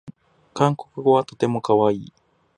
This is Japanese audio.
韓国語はとてもかわいい